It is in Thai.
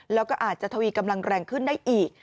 แล้วก็อาจจะทวีกำลังแรงขึ้นได้อีก